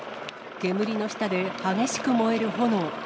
煙の下で激しく燃える炎。